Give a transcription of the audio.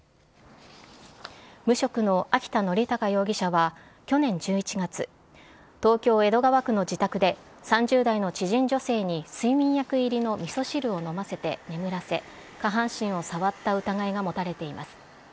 無職の秋田憲隆容疑者は去年１１月東京・江戸川区の自宅で３０代の知人女性に睡眠薬入りの味噌汁を飲ませて眠らせ下半身を触った疑いが持たれています。